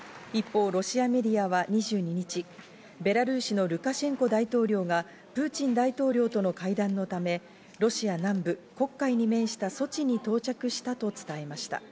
一方、ロシアメディアは２２日、ベラルーシのルカシェンコ大統領がプーチン大統領との会談のため、ロシア南部・黒海に面したソチに到着したと伝えました。